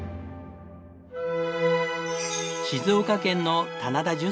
静岡県の棚田等